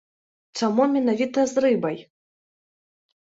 Чаму менавіта з рыбай?